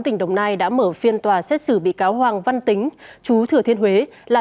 thành bưởi ngày hôm nay đã mở phiên tòa xét xử bị cáo hoàng văn tính chú thừa thiên huế là